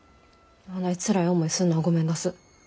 あないつらい思いすんのはごめんだす。